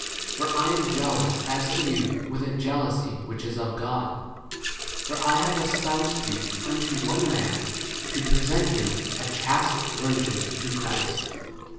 For I am jealous as to you with a jealousy [whijh is] of God ; for I have espousad you unto one man, to present [you] a chaste virgin to 3 Christ.